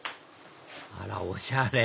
あらおしゃれ